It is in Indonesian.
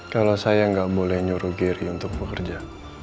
kalau saya nggak boleh nyuruh kiri untuk bekerja